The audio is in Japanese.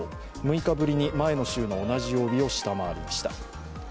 ６日ぶりに前の週の同じ曜日を下回りました。